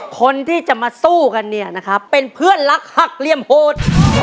คนที่จะมาสู้กันเนี่ยนะครับเป็นเพื่อนรักหักเหลี่ยมโหด